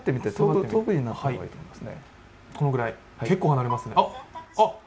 このぐらい、結構離れますねあ！